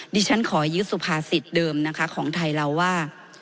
ดิฉันขอยึดสุภาษิตเดิมนะคะของไทยเราว่า